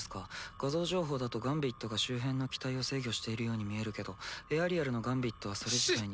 画像情報だとガンビットが周辺の機体を制御しているように見えるけどエアリアルのガンビットはそれ自体に。